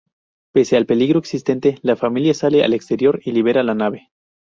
Pese al peligro existente, la familia sale al exterior y libera la nave.